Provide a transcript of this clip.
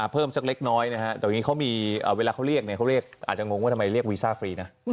เพิ่มสักเล็กน้อยนะฮะเวลาเขาเรียกอาจจะงงว่าทำไมเรียกวีซ่าฟรีนะ